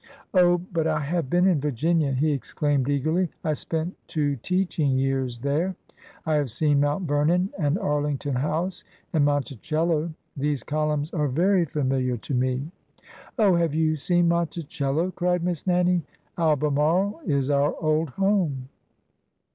" Oh, but, I have been in Virginia," he exclaimed eagerly ;" I spent two teaching years there. I have seen Mount Vernon and Arlington House and Monticello. These columns are very familiar to me." "Oh, have you seen Monticello?" cried Miss Nannie. " Albemarle is our old home."